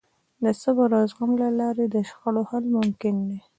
د صبر او زغم له لارې د شخړو حل ممکن دی.